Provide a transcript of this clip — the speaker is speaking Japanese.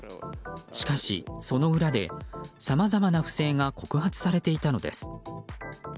しかし、その裏でさまざまな不正が告発されていたのです。